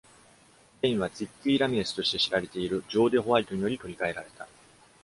ゲインは、ツィッギー・ラミレスとして知られているジョーディ・ホワイトにより取り替えられた。